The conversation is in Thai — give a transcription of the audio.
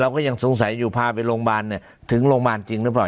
ก็ยังสงสัยอยู่พาไปโรงพยาบาลเนี่ยถึงโรงพยาบาลจริงหรือเปล่า